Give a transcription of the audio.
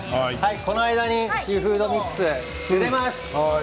この間にシーフードミックスを入れます。